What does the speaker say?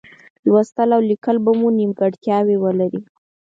لوستل او لیکل به مو نیمګړتیاوې ولري.